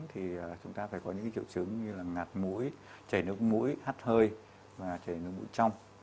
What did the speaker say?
thì chúng ta phải có những triệu chứng như là ngạt muối chảy nước mũi hát hơi và chảy nước mũi trong